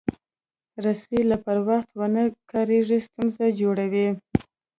رسۍ که پر وخت ونه کارېږي، ستونزه جوړوي.